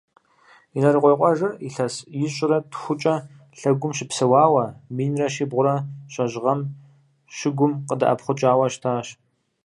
Инарыкъуей къуажэр илъэс ищӏрэ тхукӏэ лъэгум щыпсэуауэ, минрэ щибгъурэ щэщӏ гъэм щыгум къыдэӏэпхъукӏауэ щытащ.